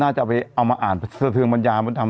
น่าจะเอามาอ่านเดือนบัณยาว